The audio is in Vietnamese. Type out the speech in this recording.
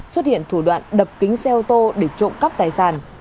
xuất hiện thủ đoạn đập kính xe ô tô để trộm cắp tài sản